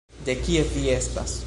De kie vi estas?